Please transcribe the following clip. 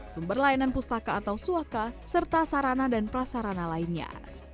sumber layanan pustaka atau suaka serta sarana dan prasarana lainnya